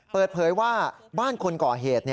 เปิดเผยว่าบ้านคนก่อเหตุ